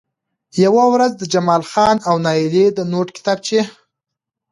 يوه ورځ د جمال خان او نايلې د نوټ کتابچې